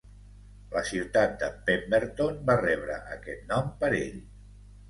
La ciutat de Pemberton va rebre aquest nom per ell.